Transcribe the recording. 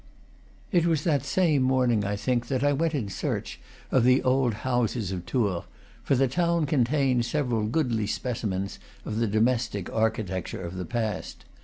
It was that same morning, I think, that I went in search of the old houses of Tours; for the town con tains several goodly specimens of the domestic archi tecture of the past.